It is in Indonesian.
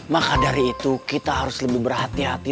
maka dari itu kita harus lebih berhati hati